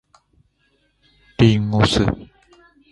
林檎酢